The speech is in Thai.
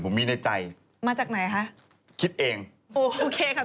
๕นาที๕นาทีมาแรงเหมือนกัน